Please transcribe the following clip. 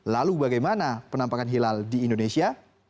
lalu bagaimana penampakan hilal di indonesia